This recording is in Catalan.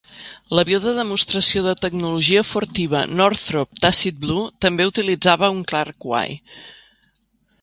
L'avió de demostració de tecnologia furtiva Northrop Tacit Blue també utilitzava un Clark Y.